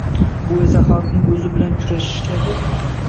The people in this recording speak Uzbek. Bu esa xalqning o‘zi bilan kurashish kabi.